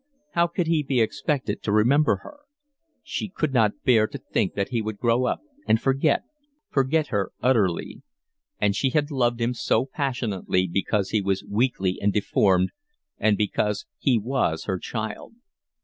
How could he be expected to remember her? She could not bear to think that he would grow up and forget, forget her utterly; and she had loved him so passionately, because he was weakly and deformed, and because he was her child.